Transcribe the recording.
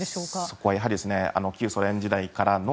そこは旧ソ連時代からの